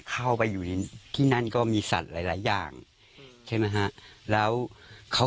เข้าไปอยู่ที่นั่นก็มีสัตว์หลายหลายอย่างใช่ไหมฮะแล้วเขา